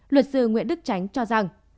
luật sư nguyễn đức tránh cho rằng